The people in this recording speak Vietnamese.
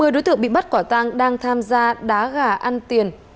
một mươi đối tượng bị bắt quả tang đang tham gia đá gà ăn tiền